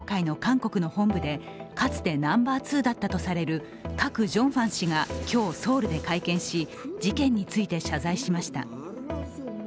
これを受けて旧統一教会の韓国の本部で、かつてナンバー２だったとされるカク・ジョンファン氏が今日、ソウルで会見し、事件について謝罪しました。